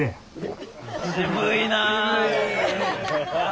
渋いな。